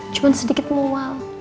cuma sedikit mual